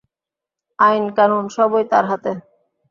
আইনকানুন সবই তার হাতে।